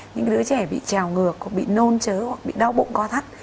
những đứa trẻ bị trào ngược bị nôn chớ hoặc bị đau bụng co thắt